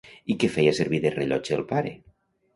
I què feia servir de rellotge el pare?